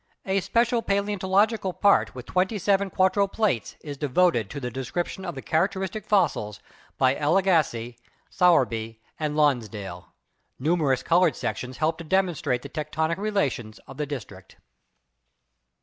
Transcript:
A special paleon tological part with twenty seven quarto plates is devoted to the description of the characteristic fossils by L. Agas siz, Sowerby and Lonsdale. Numerous colored sections help to demonstrate the tectonic relations of the district.